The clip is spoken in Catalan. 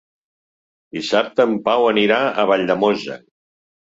Dissabte en Pau anirà a Valldemossa.